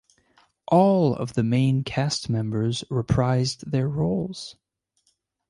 All of the main cast members reprised their roles.